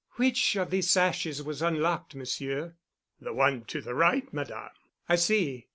"Which of these sashes was unlocked, Monsieur?" "The one to the right, Madame." "I see.